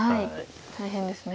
大変ですね。